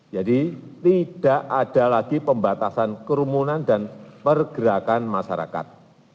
jadi tidak ada lagi pembatasan kerumunan dan pergerakan masyarakat